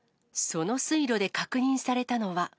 その水路で確認されたのは。